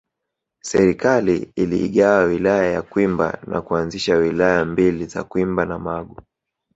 Serikali iliigawa Wilaya ya Kwimba na kuanzisha Wilaya mbili za Kwimba na Magu